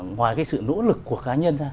ngoài cái sự nỗ lực của cá nhân ra